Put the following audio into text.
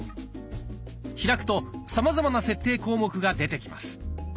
開くとさまざまな設定項目が出てきます。